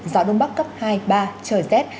gió đông bắc cấp hai ba trời rét